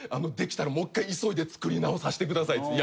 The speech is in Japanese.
できたらもう一回急いで作り直させてください」